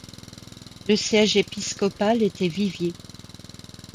Le siège épiscopal était Viviers.